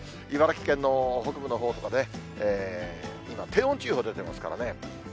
茨城県の北部のほうとかね、今、低温注意報出てますからね。